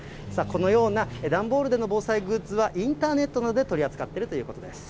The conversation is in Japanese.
このような段ボールでの防災グッズは、インターネットなどで取り扱っているということです。